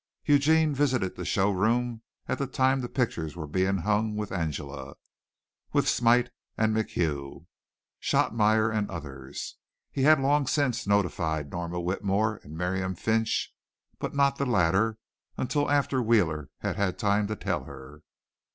Eugene visited the show room at the time the pictures were being hung, with Angela, with Smite and MacHugh, Shotmeyer and others. He had long since notified Norma Whitmore and Miriam Finch, but not the latter until after Wheeler had had time to tell her.